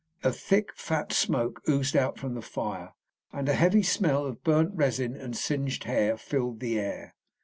A thick, fat smoke oozed out from the fire, and a heavy smell of burned rosin and singed hair filled the air.